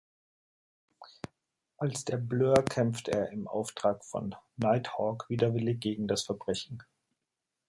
Als der Blur kämpft er im Auftrag von Nighthawk widerwillig gegen das Verbrechen.